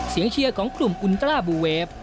เชียร์ของกลุ่มอุณตราบูเวฟ